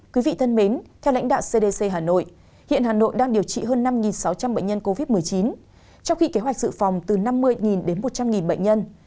quý vị thân mến theo lãnh đạo cdc hà nội hiện hà nội đang điều trị hơn năm sáu trăm linh bệnh nhân covid một mươi chín trong khi kế hoạch dự phòng từ năm mươi đến một trăm linh bệnh nhân